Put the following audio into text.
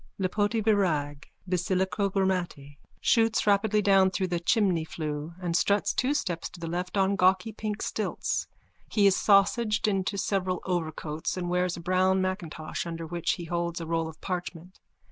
Lipoti Virag, basilicogrammate, chutes rapidly down through the chimneyflue and struts two steps to the left on gawky pink stilts. He is sausaged into several overcoats and wears a brown macintosh under which he holds a roll of parchment.